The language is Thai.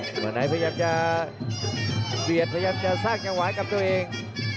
วันไหนพยายามจะเบียดพยายามจะสร้างจังหวะกับตัวเอง